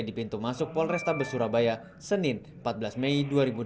di pintu masuk polrestabes surabaya senin empat belas mei